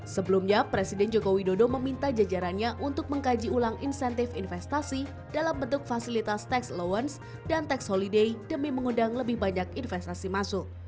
sebelumnya presiden joko widodo meminta jajarannya untuk mengkaji ulang insentif investasi dalam bentuk fasilitas tax allowance dan tax holiday demi mengundang lebih banyak investasi masuk